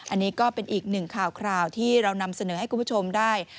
อันนี้ก็เป็นอีกหนึ่งข่าวที่เรานำเสนอให้คุณผู้ชมได้